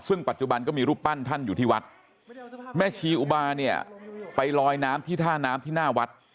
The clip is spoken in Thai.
ซึ่งปัจจุบันก็มีรูปปั้นท่านอยู่ที่วัดแม่ชีอุบาเนี่ยไปลอยน้ำที่ท่าน้ำที่หน้าวัด